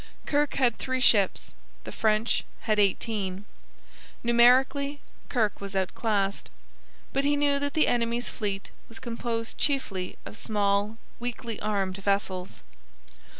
Kirke had three ships; the French had eighteen. Numerically Kirke was outclassed, but he knew that the enemy's fleet was composed chiefly of small, weakly armed vessels.